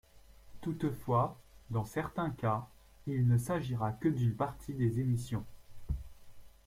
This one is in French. Toutefois, dans certains cas, il ne s'agira que d'une partie des émissions.